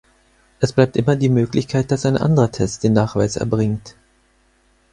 Es bleibt immer die Möglichkeit, dass ein anderer Test den Nachweis erbringt.